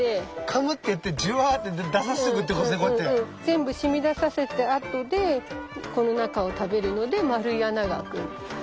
全部染みださせたあとでこの中を食べるので丸い穴があくんです。